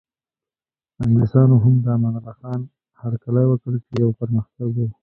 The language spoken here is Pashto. انګلیسانو هم د امان الله خان هرکلی وکړ چې یو پرمختګ و.